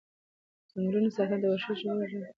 د ځنګلونو ساتنه د وحشي ژوو ژوند ته اهمیت لري.